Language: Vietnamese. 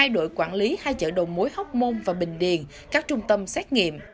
hai đội quản lý hai chợ đầu mối hóc môn và bình điền các trung tâm xét nghiệm